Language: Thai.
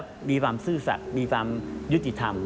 และมีความสู้สัตว์มีความยุติธรรม